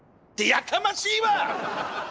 やかましいわ！